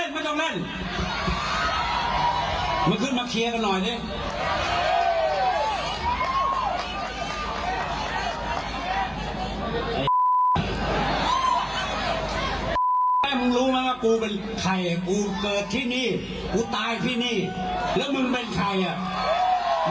ผมที่นี่กูตายพี่นี่เหลือมึงเป็นใครอะ